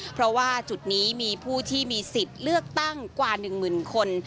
เพราะว่าจุดนี้มีผู้ที่มีสิทธิ์เลือกตั้งกว่า๑หมื่นคน